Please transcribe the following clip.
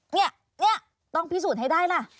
เนี่ยต้องพิสูจน์ให้ได้ล่ะ